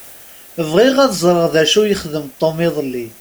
Bɣiɣ ad ẓṛeɣ d acu i yexdem Tom iḍelli.